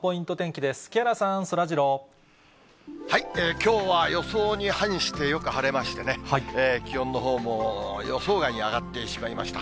きょうは予想に反して、よく晴れましてね、気温のほうも、予想外に上がってしまいました。